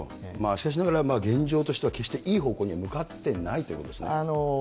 しかしながら、現状としては、決していい方向には向かってないということですね。